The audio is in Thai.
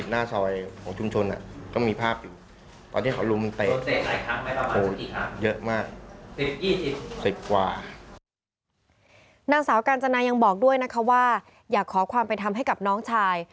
นางสาวกาญจนายังบอกด้วยนะคะว่าอยากขอความเป็นธรรมให้กับน้องชาย